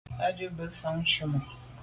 Á jí bɛ́n fá chàŋ mú.